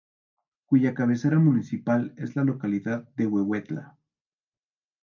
Cuya cabecera municipal es la localidad de Huehuetla.